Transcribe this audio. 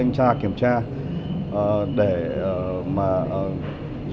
cắt giảm các kiểm tra chuyên ngành